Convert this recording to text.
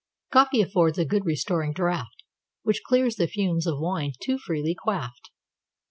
COFFEE affords a good restoring draft, Which clears the fumes of wine too freely quaffed.